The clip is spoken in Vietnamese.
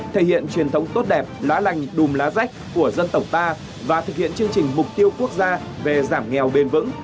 thể hiện truyền thống tốt đẹp lá lành đùm lá rách của dân tộc ta và thực hiện chương trình mục tiêu quốc gia về giảm nghèo bền vững